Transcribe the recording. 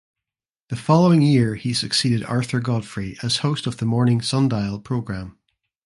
The following year he succeeded Arthur Godfrey as host of the morning "Sundial" program.